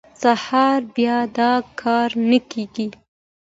سهار بیا دا کار نه کېده.